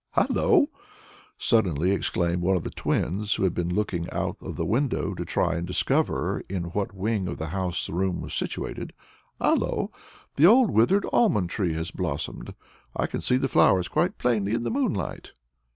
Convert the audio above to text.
"Hallo!" suddenly exclaimed one of the twins, who had been looking out of the window to try and discover in what wing of the house the room was situated. "Hallo! the old withered almond tree has blossomed. I can see the flowers quite plainly in the moonlight."